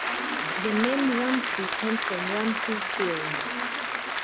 The name Ramsey comes from Ramsey's theorem.